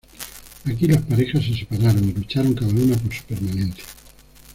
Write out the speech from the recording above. Aquí las parejas se separaron y lucharon cada uno por su permanencia.